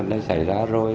hôm nay xảy ra rồi